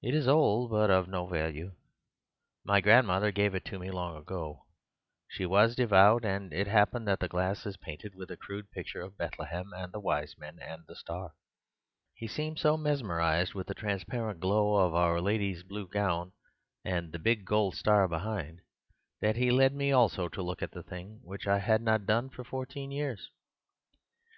It is old, but of no value; my grandmother gave it to me long ago: she was devout, and it happens that the glass is painted with a crude picture of Bethlehem and the Wise Men and the Star. He seemed so mesmerized with the transparent glow of Our Lady's blue gown and the big gold star behind, that he led me also to look at the thing, which I had not done for fourteen years.